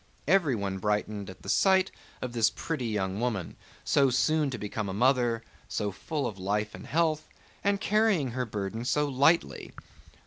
Everyone brightened at the sight of this pretty young woman, so soon to become a mother, so full of life and health, and carrying her burden so lightly.